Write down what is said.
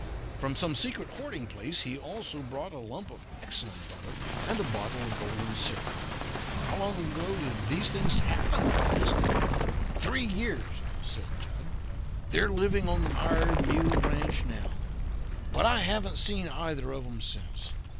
From some secret hoarding he also brought a lump of excellent butter and a bottle of golden syrup. "How long ago did these things happen?" I asked him. "Three years," said Jud. "They're living on the Mired Mule Ranch now. But I haven't seen either of 'em since.